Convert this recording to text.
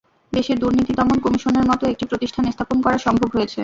দেশে দুর্নীতি দমন কমিশনের মতো একটি প্রতিষ্ঠান স্থাপন করা সম্ভব হয়েছে।